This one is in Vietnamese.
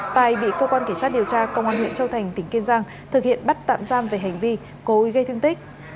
tài bị cơ quan cảnh sát điều tra công an huyện châu thành tỉnh kiên giang thực hiện bắt tạm giam về hành vi cố ý gây thương tích